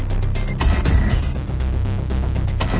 ตอนนี้ก็ไม่มีอัศวินทรีย์